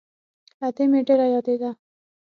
ادې مې ډېره يادېده.